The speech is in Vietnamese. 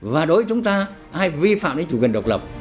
và đối với chúng ta ai vi phạm đến chủ quyền độc lập